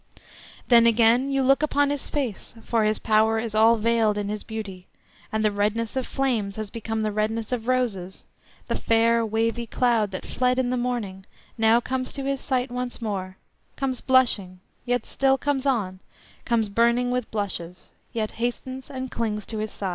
Then again you look upon his face, for his power is all veiled in his beauty, and the redness of flames has become the redness of roses; the fair, wavy cloud that fled in the morning now comes to his sight once more, comes blushing, yet still comes on, comes burning with blushes, yet hastens and clings to his side.